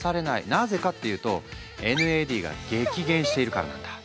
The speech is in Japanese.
なぜかっていうとＮＡＤが激減しているからなんだ。